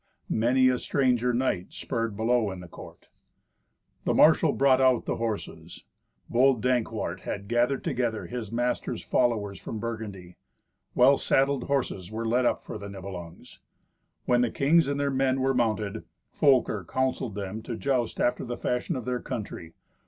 Ha! many a stranger knight spurred below in the court! The marshal brought out the horses. Bold Dankwart had gathered together his master's followers from Burgundy. Well saddled horses were led up for the Nibelungs. When the kings and their men were mounted, Folker counselled them to joust after the fashion of their country.